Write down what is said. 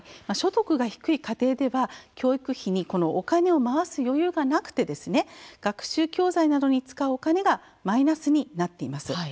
所得が低い家庭では教育費にお金を回す余裕がなくて学習教材などに使うお金がマイナスになっています。